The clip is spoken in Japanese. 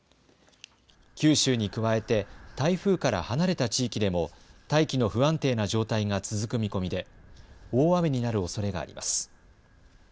九州に加えて台風から離れた地域でも大気の不安定な状態が続く見込みで大雨になるおそれがあります。